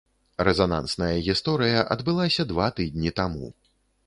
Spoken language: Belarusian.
Рэзанансная гісторыя адбылася два тыдні таму.